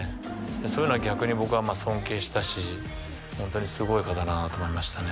そういうのは逆に僕は尊敬したしホントにすごい方だなと思いましたね